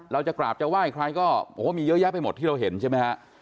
เราจะกราบจะไหว้ใครก็โอ้โหมีเยอะแยะไปหมดที่เราเห็นใช่ไหมฮะ